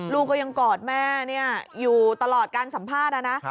ลูกก็ยังกอดแม่อยู่ตลอดการสัมภาษณ์นะนะ